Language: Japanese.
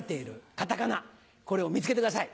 カタカナこれを見つけてください。